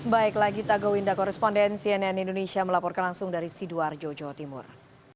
baik lagi tago winda koresponden cnn indonesia melaporkan langsung dari sidoarjo jawa timur